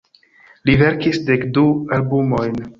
Li verkis dek du albumojn.